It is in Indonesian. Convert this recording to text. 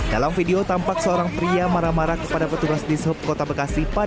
dalam video tampak seorang pria marah marah kepada petugas di sub kota bekasi pada